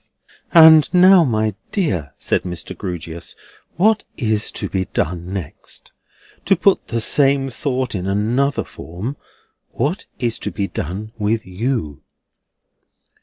"And now, my dear," said Mr. Grewgious, "what is to be done next? To put the same thought in another form; what is to be done with you?"